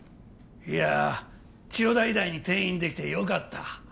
いや千代田医大に転院できてよかった